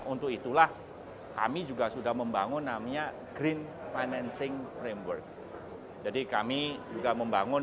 untuk itulah kami juga sudah membangun namanya green financing framework jadi kami juga membangun